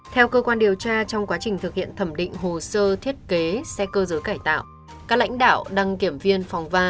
theo cơ quan điều tra trong quá trình thực hiện thẩm định hồ sơ thiết kế xe cơ giới cải tạo các lãnh đạo đăng kiểm viên phòng va